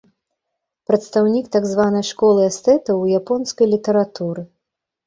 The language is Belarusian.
Прадстаўнік так званай школы эстэтаў у японскай літаратуры.